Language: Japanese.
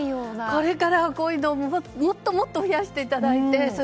これから、こういうのをもっともっと増やしていただいて。